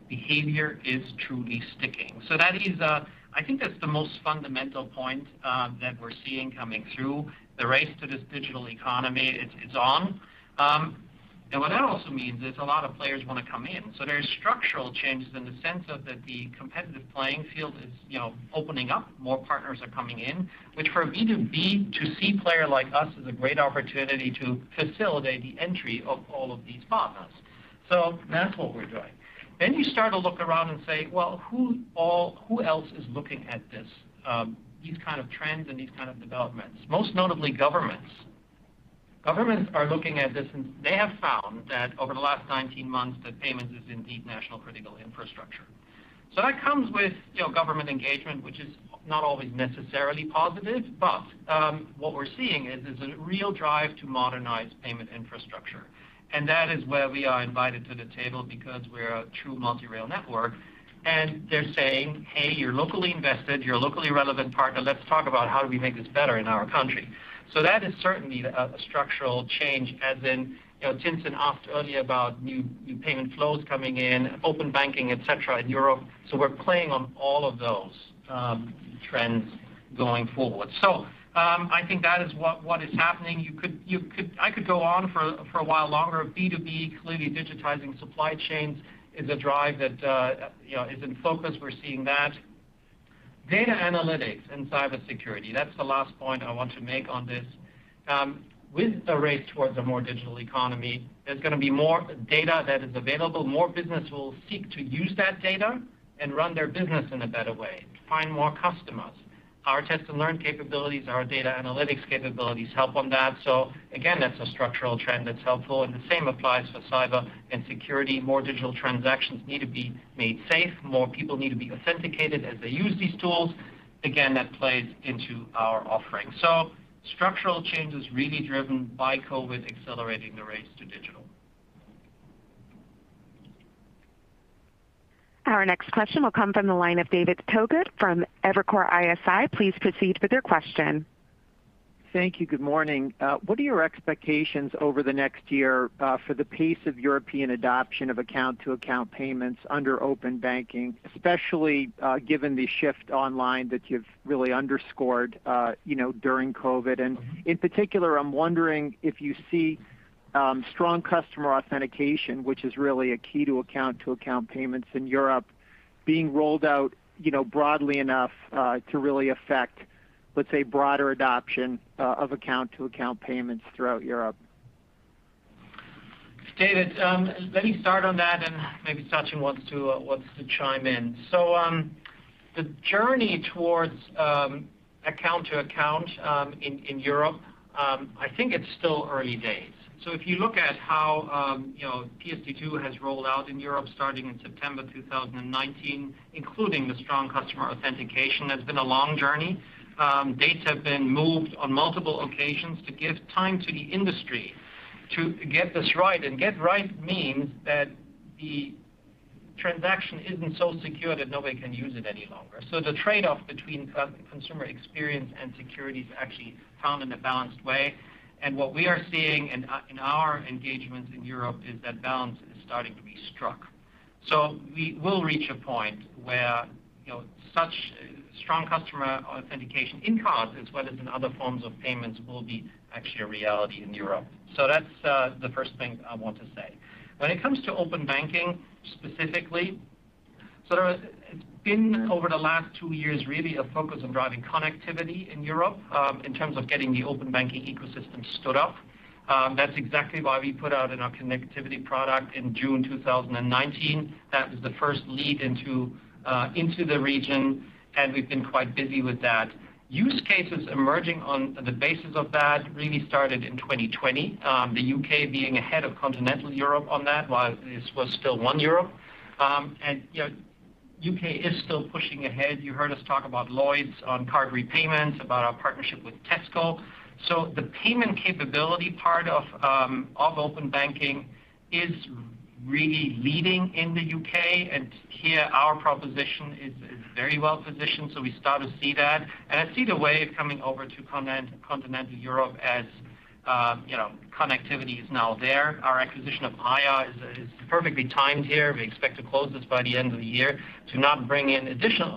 Behavior is truly sticking. That is, I think that's the most fundamental point that we're seeing coming through. The race to this digital economy, it's on. What that also means is a lot of players wanna come in. There's structural changes in the sense of that the competitive playing field is, you know, opening up, more partners are coming in, which for a B2B to C player like us is a great opportunity to facilitate the entry of all of these partners. That's what we're doing. You start to look around and say, "Well, who else is looking at this, these kind of trends and these kind of developments?" Most notably, governments. Governments are looking at this, and they have found that over the last 19 months that payments is indeed national critical infrastructure. That comes with, you know, government engagement, which is not always necessarily positive, but, what we're seeing is there's a real drive to modernize payment infrastructure. That is where we are invited to the table because we're a true multi-rail network. They're saying, "Hey, you're locally invested, you're a locally relevant partner. Let's talk about how do we make this better in our country." That is certainly the, a structural change, as in, you know, Tien-Tsin Huang asked earlier about new payment flows coming in, open banking, et cetera, in Europe. We're playing on all of those trends going forward. I think that is what is happening. I could go on for a while longer. B2B, clearly digitizing supply chains is a drive that is in focus. We're seeing that. Data analytics and cybersecurity, that's the last point I want to make on this. With the race towards a more digital economy, there's gonna be more data that is available. More business will seek to use that data and run their business in a better way to find more customers. Our Test & Learn capabilities, our data analytics capabilities help on that. Again, that's a structural trend that's helpful, and the same applies for cyber and security. More digital transactions need to be made safe. More people need to be authenticated as they use these tools. Again, that plays into our offering. Structural change is really driven by COVID accelerating the race to digital. Our next question will come from the line of David Togut from Evercore ISI. Please proceed with your question. Thank you. Good morning. What are your expectations over the next year for the pace of European adoption of account-to-account payments under open banking, especially given the shift online that you've really underscored, you know, during COVID? In particular, I'm wondering if you see Strong Customer Authentication, which is really a key to account-to-account payments in Europe being rolled out, you know, broadly enough to really affect, let's say, broader adoption of account-to-account payments throughout Europe. David, let me start on that, and maybe Sachin wants to chime in. The journey towards account to account in Europe, I think it's still early days. If you look at how, you know, PSD2 has rolled out in Europe starting in September 2019, including the Strong Customer Authentication, it's been a long journey. Dates have been moved on multiple occasions to give time to the industry to get this right. Get right means that the transaction isn't so secure that nobody can use it any longer. The trade-off between consumer experience and security is actually found in a balanced way. What we are seeing in our engagements in Europe is that balance is starting to be struck. We will reach a point where, you know, such Strong Customer Authentication in part is better than other forms of payments will be actually a reality in Europe. That's the first thing I want to say. When it comes to open banking specifically, it's been over the last two years, really a focus on driving connectivity in Europe, in terms of getting the open banking ecosystem stood up. That's exactly why we put out our connectivity product in June 2019. That was the first lead into the region, and we've been quite busy with that. Use cases emerging on the basis of that really started in 2020, the U.K. being ahead of continental Europe on that while this was still one Europe. You know, U.K. is still pushing ahead. You heard us talk about Lloyds on card repayments, about our partnership with Tesco. The payment capability part of open banking is really leading in the U.K., and here our proposition is very well positioned, so we start to see that. I see the wave coming over to continental Europe as you know, connectivity is now there. Our acquisition of Aiia is perfectly timed here. We expect to close this by the end of the year to only bring in additional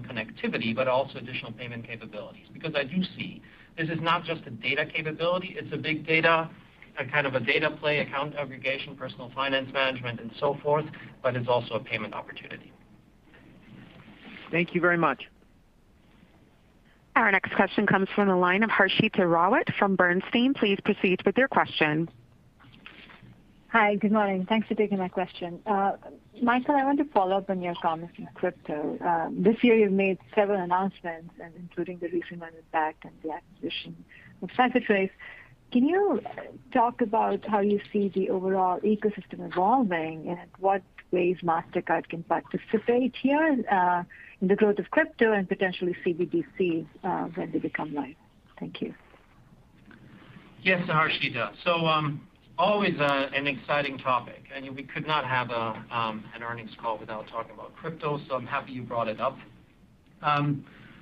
connectivity, but also additional payment capabilities. Because as you see, this is not just a data capability, it's a big data, a kind of a data play, account aggregation, personal finance management, and so forth, but it's also a payment opportunity. Thank you very much. Our next question comes from the line of Harshita Rawat from Bernstein. Please proceed with your question. Hi. Good morning. Thanks for taking my question. Michael, I want to follow up on your comments on crypto. This year you've made several announcements, including the recent one with Bakkt and the acquisition of CipherTrace. Can you talk about how you see the overall ecosystem evolving and what ways Mastercard can participate here, in the growth of crypto and potentially CBDC, when they become live? Thank you. Yes, Harshita. Always an exciting topic. We could not have an earnings call without talking about crypto, so I'm happy you brought it up.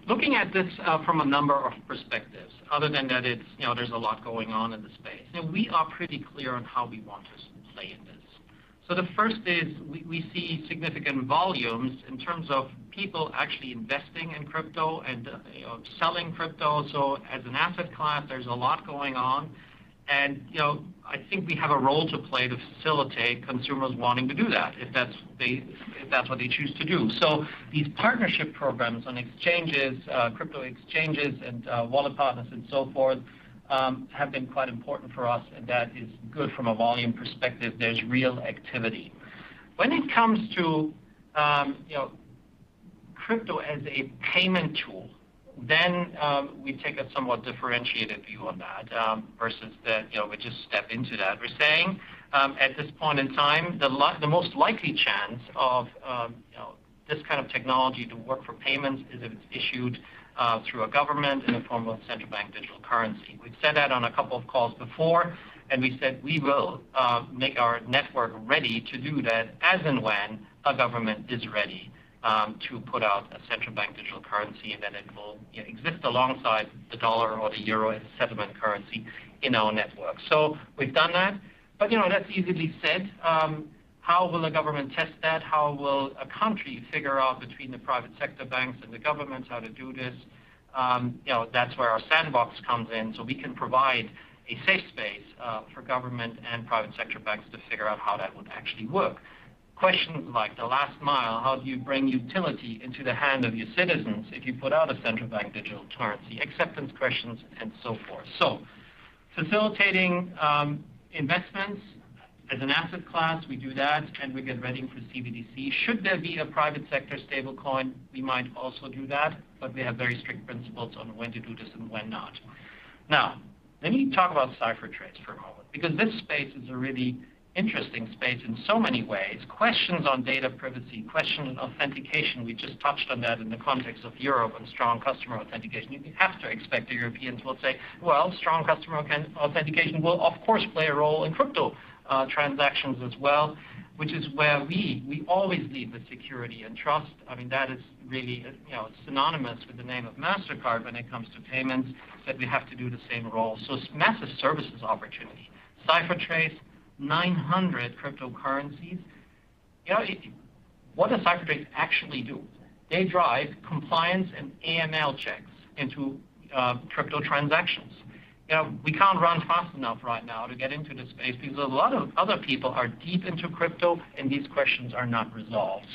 Looking at this from a number of perspectives, other than that it's, you know, there's a lot going on in the space. We are pretty clear on how we want to play in this. The first is we see significant volumes in terms of people actually investing in crypto and, you know, selling crypto. As an asset class, there's a lot going on. You know, I think we have a role to play to facilitate consumers wanting to do that if that's what they choose to do. These partnership programs on exchanges, crypto exchanges and, wallet partners and so forth, have been quite important for us, and that is good from a volume perspective. There's real activity. When it comes to, you know, crypto as a payment tool, then, we take a somewhat differentiated view on that, versus that, you know, we just step into that. We're saying, at this point in time, the most likely chance of, you know, this kind of technology to work for payments is if it's issued, through a government in the form of central bank digital currency. We've said that on a couple of calls before, and we said we will make our network ready to do that as and when a government is ready to put out a central bank digital currency, and then it will, you know, exist alongside the US dollar or the euro as a settlement currency in our network. We've done that. You know, that's easily said. How will a government test that? How will a country figure out between the private sector banks and the governments how to do this? You know, that's where our sandbox comes in. We can provide a safe space for government and private sector banks to figure out how that would actually work. Questions like the last mile, how do you bring utility into the hand of your citizens if you put out a central bank digital currency? Acceptance questions and so forth. Facilitating investments as an asset class, we do that, and we get ready for CBDC. Should there be a private sector stable coin, we might also do that, but we have very strict principles on when to do this and when not. Now, let me talk about CipherTrace for a moment because this space is a really interesting space in so many ways. Questions on data privacy, question on authentication, we just touched on that in the context of Europe and Strong Customer Authentication. You have to expect the Europeans will say, "Well, Strong Customer Authentication will of course play a role in crypto transactions as well," which is where we always lead with security and trust. I mean, that is really, you know, synonymous with the name of Mastercard when it comes to payments, that we have to do the same role. It's massive services opportunity. CipherTrace, 900 cryptocurrencies. You know, what does CipherTrace actually do? They drive compliance and AML checks into crypto transactions. You know, we can't run fast enough right now to get into the space because a lot of other people are deep into crypto, and these questions are not resolved.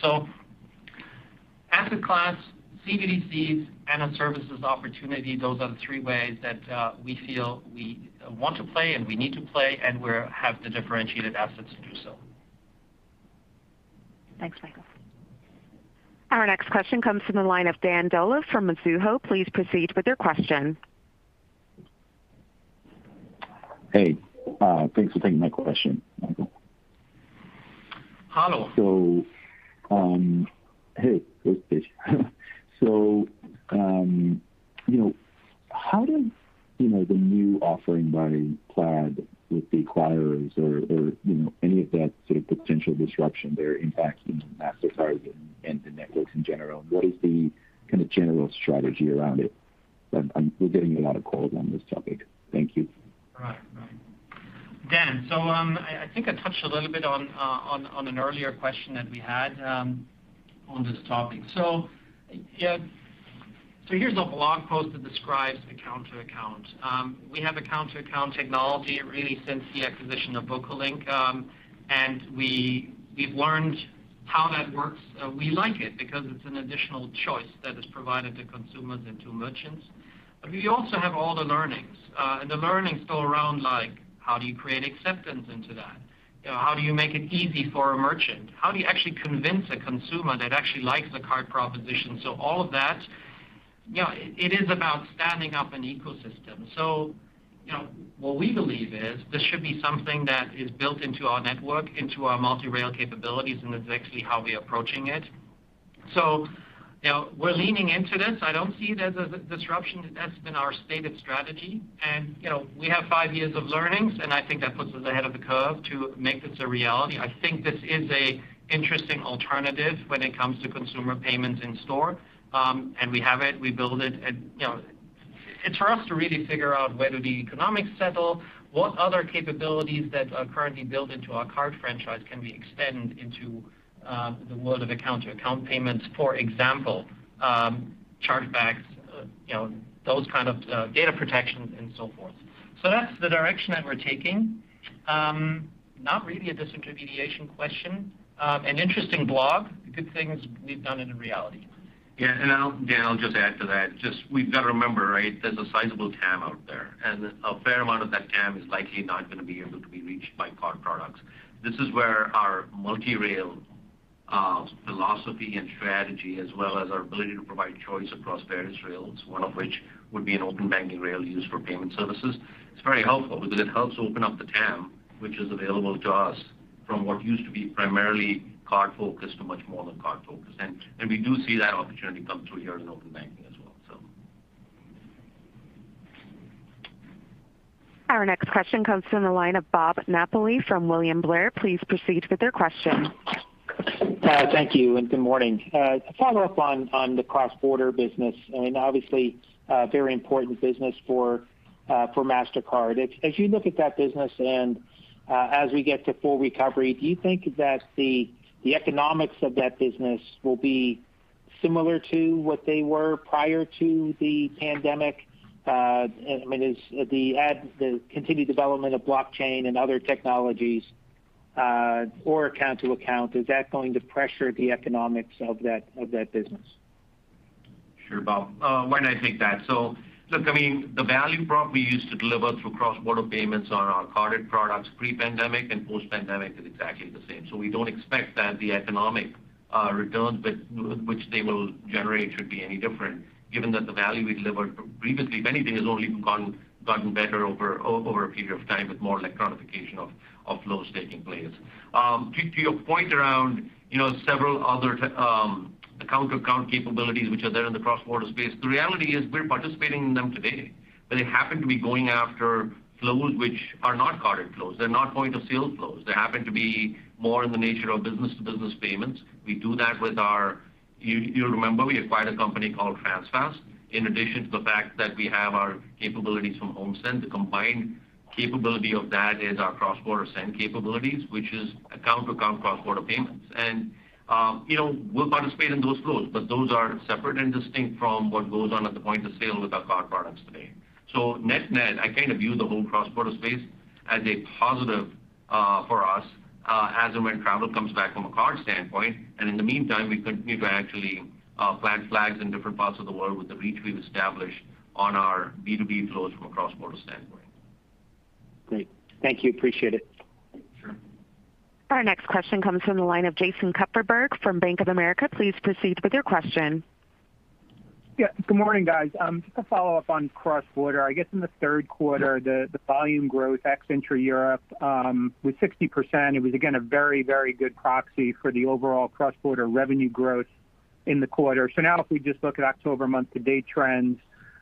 Asset class, CBDCs, and a services opportunity, those are the three ways that we feel we want to play and we need to play, and we have the differentiated assets to do so. Thanks, Michael. Our next question comes from the line of Dan Dolev from Mizuho. Please proceed with your question. Hey, thanks for taking my question, Michael. Hello. Hey, first pitch. you know, how does, you know, the new offering by Plaid with the acquirers or, you know, any of that sort of potential disruption they're impacting Mastercard and the networks in general? What is the kinda general strategy around it? We're getting a lot of calls on this topic. Thank you. Right. Dan, I think I touched a little bit on an earlier question that we had on this topic. Yeah. Here's a blog post that describes account to account. We have account to account technology really since the acquisition of VocaLink. We've learned how that works. We like it because it's an additional choice that is provided to consumers and to merchants. We also have all the learnings, and the learnings go around like, how do you create acceptance into that? You know, how do you make it easy for a merchant? How do you actually convince a consumer that actually likes the card proposition? All of that, you know, it is about standing up an ecosystem. You know, what we believe is, this should be something that is built into our network, into our multi-rail capabilities, and that's actually how we're approaching it. You know, we're leaning into this. I don't see it as a disruption. That's been our stated strategy. You know, we have five years of learnings, and I think that puts us ahead of the curve to make this a reality. I think this is an interesting alternative when it comes to consumer payments in store. We have it, we build it. You know, it's for us to really figure out whether the economics settle, what other capabilities that are currently built into our card franchise can we extend into, the world of account to account payments, for example, chargebacks, you know, those kind of, data protections and so forth. That's the direction that we're taking. Not really a disintermediation question. An interesting blog. The good things we've done in reality. Yeah. Dan, I'll just add to that. Just, we've got to remember, right? There's a sizable TAM out there, and a fair amount of that TAM is likely not gonna be able to be reached by card products. This is where our multi-rail philosophy and strategy, as well as our ability to provide choice across various rails, one of which would be an open banking rail used for payment services. It's very helpful because it helps open up the TAM, which is available to us from what used to be primarily card-focused to much more than card-focused. We do see that opportunity come through here in open banking as well. Our next question comes from the line of Bob Napoli from William Blair. Please proceed with your question. Thank you and good morning. To follow up on the cross-border business, I mean, obviously a very important business for Mastercard. As you look at that business and as we get to full recovery, do you think that the economics of that business will be similar to what they were prior to the pandemic? I mean, is the continued development of blockchain and other technologies, or account to account, is that going to pressure the economics of that business? Sure, Bob. Why don't I take that? Look, I mean, the value prop we used to deliver through cross-border payments on our carded products pre-pandemic and post-pandemic is exactly the same. We don't expect that the economic returns which they will generate should be any different, given that the value we delivered previously, if anything, has only gotten better over a period of time with more electronification of flows taking place. To your point around, you know, several other account to account capabilities which are there in the cross-border space, the reality is we're participating in them today. They happen to be going after flows which are not carded flows. They're not point of sale flows. They happen to be more in the nature of business to business payments. We do that with our... Do you remember we acquired a company called Transfast. In addition to the fact that we have our capabilities from HomeSend, the combined capability of that is our cross-border send capabilities, which is account to account cross-border payments. You know, we'll participate in those flows, but those are separate and distinct from what goes on at the point of sale with our card products today. Net-net, I kind of view the whole cross-border space as a positive for us as and when travel comes back from a card standpoint. In the meantime, we continue to actually plant flags in different parts of the world with the reach we've established on our B2B flows from a cross-border standpoint. Great. Thank you. Appreciate it. Sure. Our next question comes from the line of Jason Kupferberg from Bank of America. Please proceed with your question. Yeah. Good morning, guys. Just to follow up on cross-border. I guess in the third quarter, the volume growth ex-intra Europe with 60%, it was again a very good proxy for the overall cross-border revenue growth in the quarter. Now if we just look at October month-to-date trends,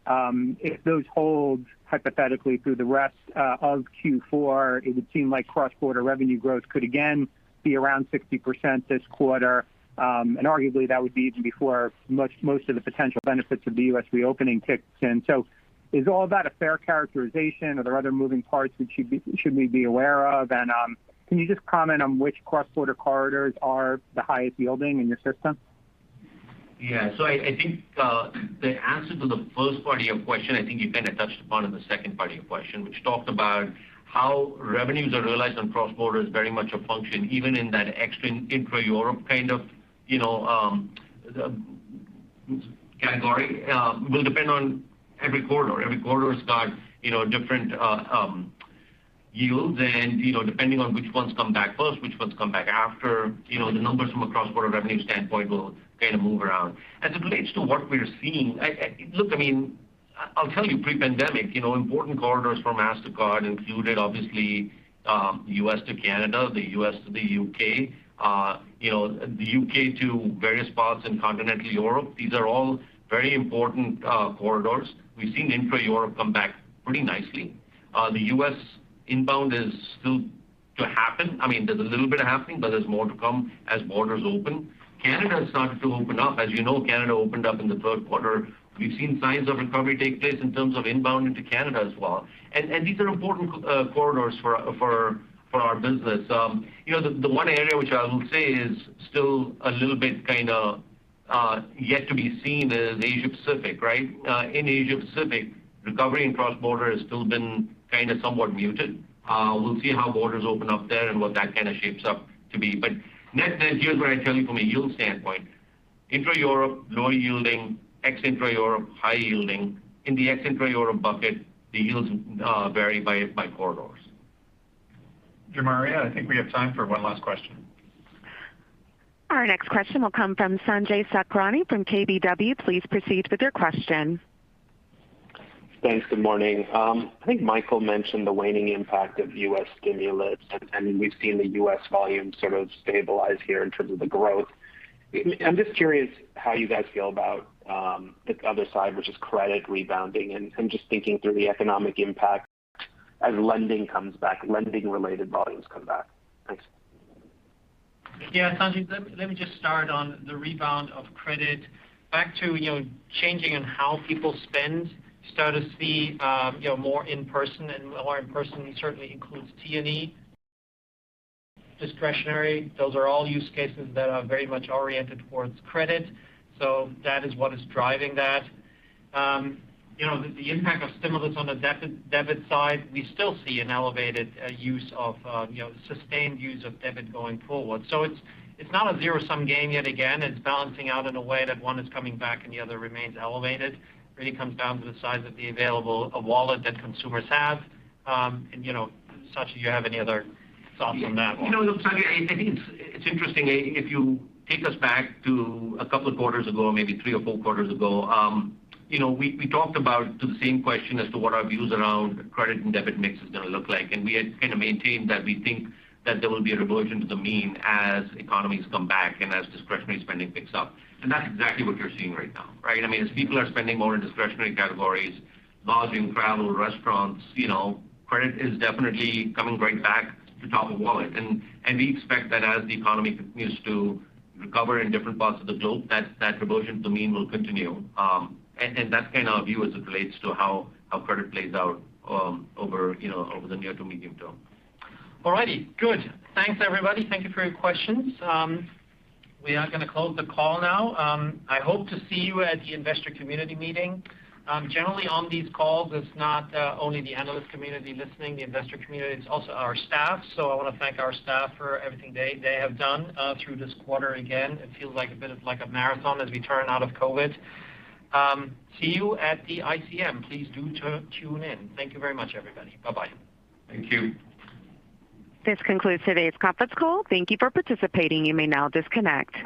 if those hold hypothetically through the rest of Q4, it would seem like cross-border revenue growth could again be around 60% this quarter. And arguably that would be even before most of the potential benefits of the U.S. reopening kicks in. Is all that a fair characterization? Are there other moving parts which we should be aware of? And can you just comment on which cross-border corridors are the highest yielding in your system? I think the answer to the first part of your question, I think you kind of touched upon in the second part of your question, which talked about how revenues are realized on cross-border is very much a function, even in that ex-intra Europe kind of, you know, category, will depend on every corridor. Every corridor's got, you know, different yields and, you know, depending on which ones come back first, which ones come back after, you know, the numbers from a cross-border revenue standpoint will kind of move around. As it relates to what we're seeing, Look, I mean, I'll tell you pre-pandemic, you know, important corridors for Mastercard included obviously, U.S. to Canada, the U.S. to the U.K., you know, the U.K. to various parts in continental Europe. These are all very important corridors. We've seen intra-Europe come back pretty nicely. The U.S. inbound is still to happen. I mean, there's a little bit happening, but there's more to come as borders open. Canada has started to open up. As you know, Canada opened up in the third quarter. We've seen signs of recovery take place in terms of inbound into Canada as well. These are important corridors for our business. You know, the one area which I will say is still a little bit kinda yet to be seen is Asia-Pacific, right? In Asia-Pacific, recovery in cross-border has still been kinda somewhat muted. We'll see how borders open up there and what that kinda shapes up to be. Net-net, here's what I tell you from a yield standpoint, intra-Europe, lower yielding. Ex-intra Europe, high yielding. In the ex-intra Europe bucket, the yields vary by corridors. Jumaria, I think we have time for one last question. Our next question will come from Sanjay Sakhrani from KBW. Please proceed with your question. Thanks. Good morning. I think Michael mentioned the waning impact of U.S. stimulus. I mean, we've seen the U.S. volume sort of stabilize here in terms of the growth. I'm just curious how you guys feel about the other side, which is credit rebounding and just thinking through the economic impact as lending comes back, lending-related volumes come back. Thanks. Yeah, Sanjay, let me just start on the rebound of credit. Back to, you know, changing in how people spend, start to see more in-person, and more in-person certainly includes T&E. Discretionary, those are all use cases that are very much oriented towards credit, so that is what is driving that. You know, the impact of stimulus on the debit side, we still see an elevated use of sustained use of debit going forward. So it's not a zero-sum game yet again. It's balancing out in a way that one is coming back and the other remains elevated. Really comes down to the size of the available wallet that consumers have. You know, Sanjay, do you have any other thoughts on that or? You know, look, Sanjay, I think it's interesting. If you take us back to a couple of quarters ago, maybe three or four quarters ago, you know, we talked about the same question as to what our views around credit and debit mix is gonna look like. We had kinda maintained that we think that there will be a reversion to the mean as economies come back and as discretionary spending picks up. That's exactly what you're seeing right now, right? I mean, as people are spending more in discretionary categories, lodging, travel, restaurants, you know, credit is definitely coming right back to top of wallet. We expect that as the economy continues to recover in different parts of the globe, that reversion to the mean will continue. That's kind of our view as it relates to how credit plays out over, you know, the near to medium term. All righty, good. Thanks, everybody. Thank you for your questions. We are gonna close the call now. I hope to see you at the Investor Community Meeting. Generally on these calls, it's not only the analyst community listening, the investor community, it's also our staff. I wanna thank our staff for everything they have done through this quarter. Again, it feels like a bit of a marathon as we turn out of COVID. See you at the ICM. Please do tune in. Thank you very much, everybody. Bye-bye. Thank you. This concludes today's conference call. Thank you for participating. You may now disconnect.